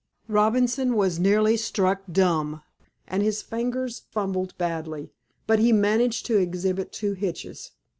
Robinson was nearly struck dumb, and his fingers fumbled badly, but he managed to exhibit two hitches.